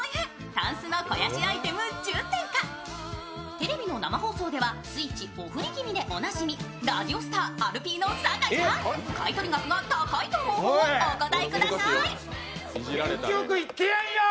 テレビの生放送ではスイッチ・オフり気味でおなじみ、ラジオスターアルピーの酒井さん、買取額が高いと思う方お答えください。